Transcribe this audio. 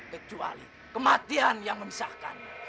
kecuali kematian yang memisahkan